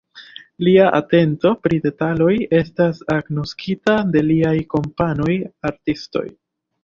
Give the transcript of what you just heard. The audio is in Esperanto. Lia atento pri detaloj estas agnoskita de liaj kompanoj artistoj.